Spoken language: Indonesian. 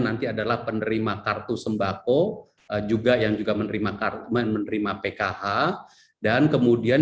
nanti adalah penerima kartu sembako juga yang juga menerima kartu menerima pkh dan kemudian